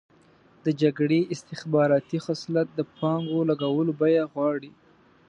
د جګړې استخباراتي خصلت د پانګو لګولو بیه غواړي.